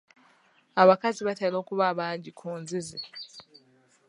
Abakazi batera okuba abangi ku nzizi.